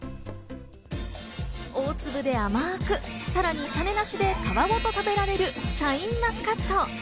大粒で甘く、さらに種なしで皮ごと食べられるシャインマスカット。